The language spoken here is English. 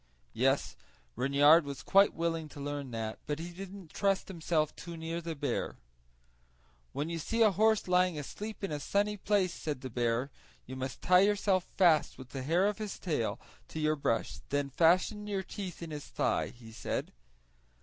Yes, Reynard was quite willing to learn that, but he didn't trust himself too near the bear. "When you see a horse lying asleep in a sunny place," said the bear, "you must tie yourself fast with the hair of his tail to your brush, and then fasten your teeth in his thigh," he said.